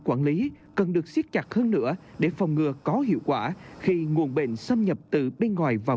quản lý cần được siết chặt hơn nữa để phòng ngừa có hiệu quả khi nguồn bệnh xâm nhập từ bên ngoài vào